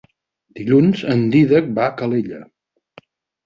Dilluns en Dídac va a Calella.